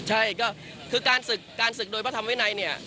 ใช่ก็คือการศึกการศึกโดยพระธรรมวินัยเนี่ย